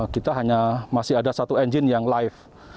kita hanya masih ada satu engine yang live